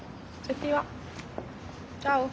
じゃあね。